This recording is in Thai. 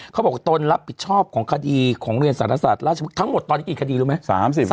เขาบอกตนรับผิดชอบของคดีของเรียนสารศาสตร์ราชพฤกษ์ทั้งหมดตอนนี้กี่คดีรู้ไหม